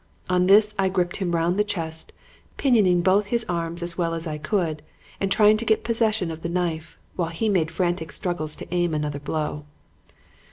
On this I gripped him round the chest, pinioning both his arms as well as I could and trying to get possession of the knife, while he made frantic struggles to aim another blow.